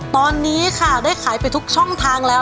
ตอนนี้ค่ะได้ขายไปทุกช่องทางแล้ว